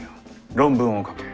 論文を書け。